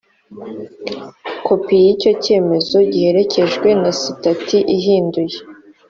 kopi y icyo cyemezo giherekejwe na sitati ihinduye